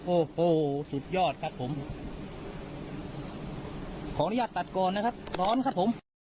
โอ้โหสุดยอดครับผมขออนุญาตตัดก่อนนะครับร้อนครับผม